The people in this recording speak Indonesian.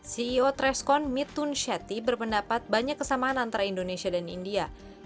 ceo trescon mitun shetti berpendapat banyak kesamaan antara indonesia dan india